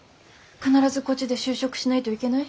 必ずこっちで就職しないといけない？